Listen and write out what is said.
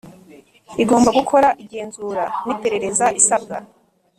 Igomba gukora igenzura n’iperereza isabwa